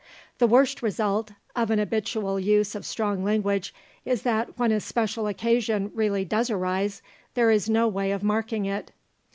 The worst result of an habitual use of strong language is that when a special occasion really does arise, there is no way of marking it.